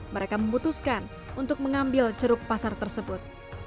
mereka memutuskan untuk mengambil ceruk pasar tersebut